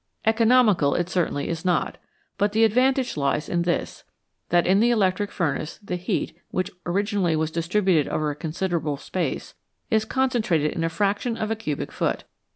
Economical it certainly is not, but the advantage lies in this, that in the electric furnace the heat, which originally was distributed over a considerable space, is concentrated in a fraction of a cubic foot.